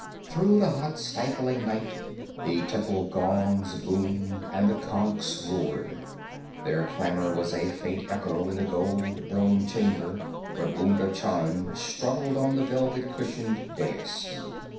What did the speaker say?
Through the hot, stifling night the temple gongs boomed and the conchs roared. Their clamor was a faint echo in the gold domed chamber where Bunda Chand struggled on the velvet cushioned dais.